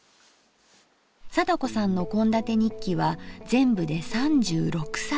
貞子さんの献立日記は全部で３６冊。